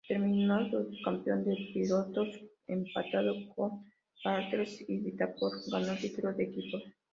Terminó subcampeón de pilotos empatado con Bartels y Vitaphone ganó el título de equipos.